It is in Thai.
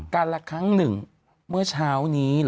ละครั้งหนึ่งเมื่อเช้านี้